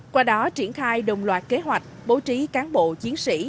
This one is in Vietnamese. qua đó triển khai đồng loạt kế hoạch bố trí cán bộ chiến sĩ